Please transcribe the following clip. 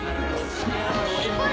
すごいな。